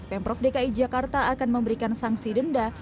pemprov dki jakarta akan memberikan sanksi denda